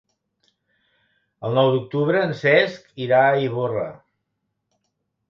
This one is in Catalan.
El nou d'octubre en Cesc irà a Ivorra.